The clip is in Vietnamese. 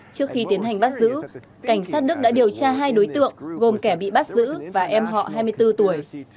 trước khi tiến hành bắt giữ cảnh sát đức đã điều tra hai đối tượng gồm kẻ bị bắt giữ và em họ hai mươi bốn tuổi